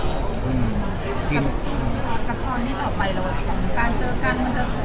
กับข้อนที่ต่อไปหรือว่าการเจอกันมันจะ